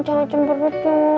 jangan cemberut dong